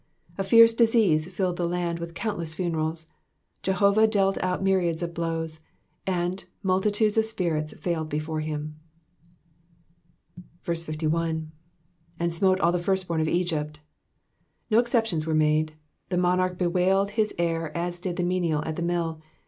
A fierce disease filled the land with countless funerals ; Jehovali dealt out myriads of blows, and multitudes of spirits failed before him. 51. ^^And smote all the firstborn in Egypt.'*'' No exceptions were made, the monarch bewailed his heir as did the menial at the mill.